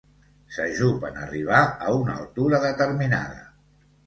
S'ajup en arribar a una altura determinada.